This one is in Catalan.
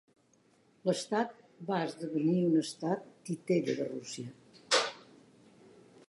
L'estat va esdevenir un estat titella de Rússia.